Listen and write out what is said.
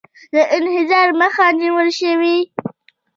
د انحصار مخه نیول شوې؟